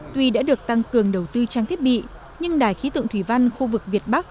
tuy đã được tăng cường đầu tư trang thiết bị nhưng đài khí tượng thủy văn khu vực việt bắc